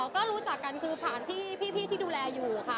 ก็รู้จักกันคือผ่านพี่ที่ดูแลอยู่ค่ะ